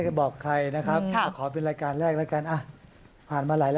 จะถามตอนที่เลยใช่มั้ย